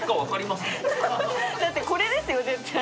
だってこれですよ絶対。